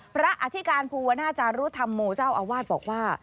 อธิการภูวนาจารุธรรมโมเจ้าอาวาสบอกว่า